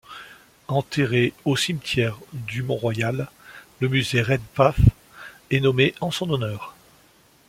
Enterré au cimetière du Mont-Royal, le musée Redpath est nommé en son honneur.